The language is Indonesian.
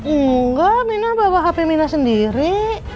enggak minah bawa hp minah sendiri